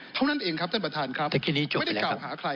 เท่านั้นเองครับท่านประธานครับไม่ได้เก่าหาใครครับท่านประธาน